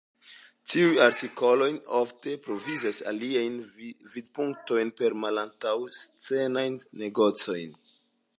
Tiuj artikoloj ofte provizas aliajn vidpunktojn per malantaŭ-scenaj negocoj.